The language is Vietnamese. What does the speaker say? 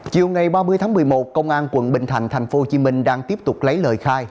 chiều ngày ba mươi tháng một mươi một công an quận bình thạnh tp hcm đang tiếp tục lấy lời khai